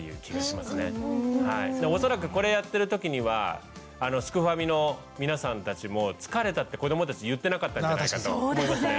恐らくこれやってる時にはすくファミの皆さんたちも「疲れた」って子どもたち言ってなかったんじゃないかと思いますね。